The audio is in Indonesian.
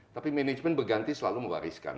tapi manajemen berganti selalu mewariskan